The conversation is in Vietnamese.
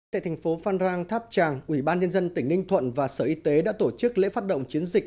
tại thành phố phan rang tháp tràng ủy ban nhân dân tỉnh ninh thuận và sở y tế đã tổ chức lễ phát động chiến dịch